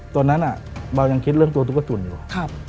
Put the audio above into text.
ตอนนั้นเบายังคิดเรื่องตัวตุ๊กจุ่นอยู่